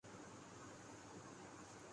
تو ہماری جماعت کو اس پر کوئی اعتراض نہیں ہو گا۔